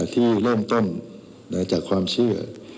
ที่เริ่มต้นจากความเชื่อ